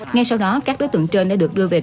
ngay sau đó các đối tượng trên đã được đưa về